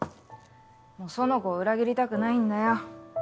もう苑子を裏切りたくないんだよ。